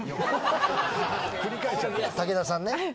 武田さんね。